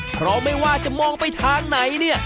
เพราะไม่ว่าจะมองไปทางไหนเนี่ย